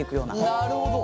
なるほど。